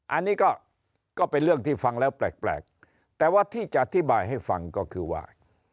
อันนี้ก็เป็นเรื่องที่ฟังแล้วแปลกแต่ว่าที่จะอธิบายให้ฟังก็คือว่า